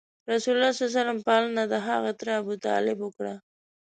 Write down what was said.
رسول الله ﷺ پالنه دهغه تره ابو طالب وکړه.